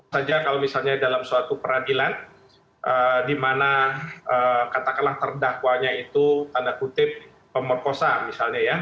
saja kalau misalnya dalam suatu peradilan di mana katakanlah terdakwanya itu tanda kutip pemerkosa misalnya ya